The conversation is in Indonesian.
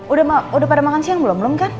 udah pada makan siang belum belum kan